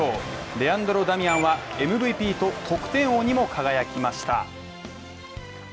レアンドロ・ダミアンはＭＶＰと得点王にも輝きました。